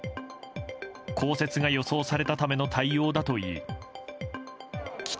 降雪が予想されたための対応だといい帰宅